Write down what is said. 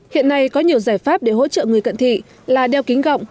hiện nay có nhiều giải pháp để hỗ trợ người cận thị là đeo kính gọng